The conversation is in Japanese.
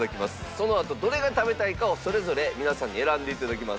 そのあとどれが食べたいかをそれぞれ皆さんに選んでいただきます。